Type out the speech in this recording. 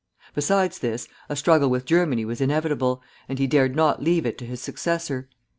Besides this, a struggle with Germany was inevitable, and he dared not leave it to his successor.